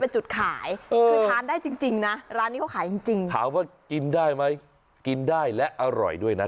จริงนะร้านนี้เขาขายจริงถามว่ากินได้ไหมกินได้และอร่อยด้วยนะ